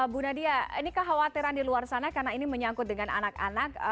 bu nadia ini kekhawatiran di luar sana karena ini menyangkut dengan anak anak